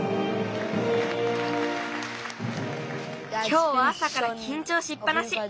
きょうはあさからきんちょうしっぱなし。